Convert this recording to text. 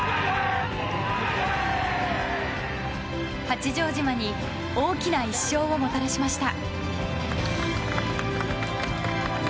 八丈島に大きな１勝をもたらしました。